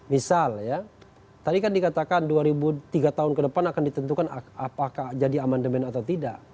misal ya tadi kan dikatakan dua ribu tiga tahun ke depan akan ditentukan apakah jadi amandemen atau tidak